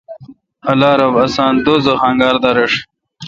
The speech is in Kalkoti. اللہ رب آسان دوزخ انگار دا رݭہ۔